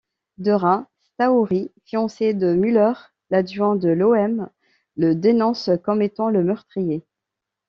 Dora Staori, fiancée de Müller, l'adjoint de Loëm, le dénonce comme étant le meurtrier.